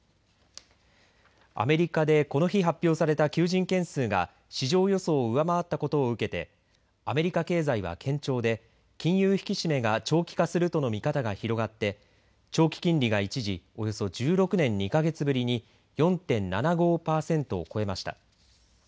アメリカでこの日発表された求人件数が市場予想を上回ったことを受けてアメリカ経済は堅調で金融引き締めが長期化するとの見方が広がって長期金利が一時およそ１６年２か月ぶりに４．７５パーセントを越えました。